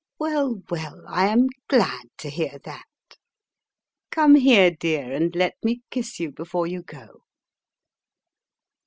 "Well, well, Fm glad to hear that. Come here, dear, and let me kiss you before you go."